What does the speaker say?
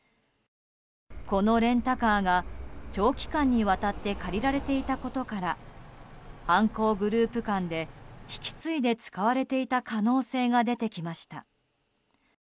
このレンタカーが長期間にわたって借りられていたことから犯行グループ間で引き継いで使われていた可能性が出てきました。